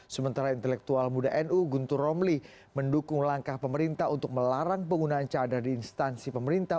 sementara intelektual muda nu guntur romli mendukung langkah pemerintah untuk melarang penggunaan cadar di instansi pemerintah